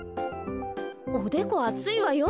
おでこあついわよ。